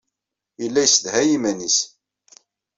Yella yessedhay iman-nnes.